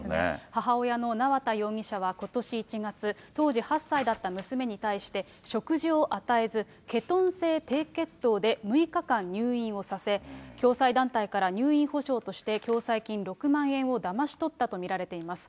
母親の縄田容疑者はことし１月、当時８歳だった娘に対して、食事を与えず、ケトン性低血糖で６日間入院をさせ、共済団体から入院保障として共済金６万円をだまし取ったと見られています。